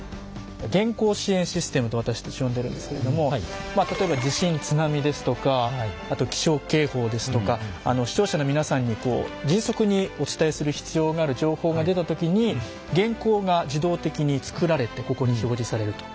原稿支援システムと私たち呼んでるんですけれどもまあ例えば地震津波ですとかあと気象警報ですとか視聴者の皆さんに迅速にお伝えする必要がある情報が出た時に原稿が自動的に作られてここに表示されると。